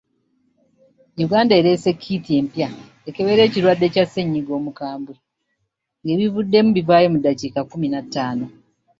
Uganda ereese kiiti empya ekebera ekirwadde kya ssennyiga omukambwe nga ebivuddemu bivaayo mu ddakiika kkumi na ttaano.